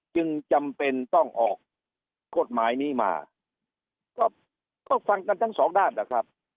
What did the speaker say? จึงจำเป็นต้องออกกฎหมายนี้มาก็ก็ฟังกันทั้งสองด้านนะครับ